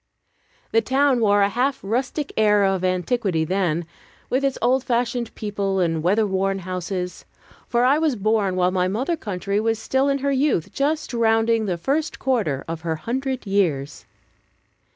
The town wore a half rustic air of antiquity then, with its old fashioned people and weather worn houses; for I was born while my mother century was still in her youth, just rounding the first quarter of her hundred years.